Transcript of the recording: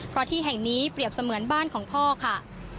เพราะที่แห่งนี้เปรียบเสมือนบ้านของพ่อค่ะ